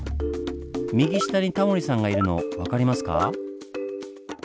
右下にタモリさんがいるの分かりますか？